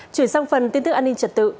chuyển sang phần tin tức an ninh trật tự